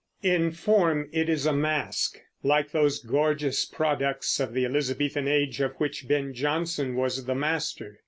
In form it is a masque, like those gorgeous products of the Elizabethan age of which Ben Jonson was the master.